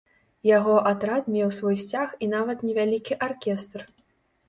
Яго атрад меў свой сцяг і нават невялікі аркестр.